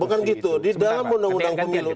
bukan gitu di dalam undang undang pemilu